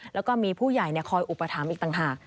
แล้วก็มีผู้ใหญ่คอยอุปถัมภ์อีกต่างหาก